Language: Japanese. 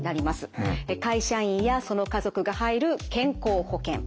会社員やその家族が入る健康保険。